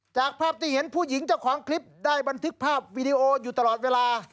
จากภาพที่เห็นผู้หญิงเจ้าของคลิปได้บันทึกภาพวีดีโออยู่ตลอดเวลา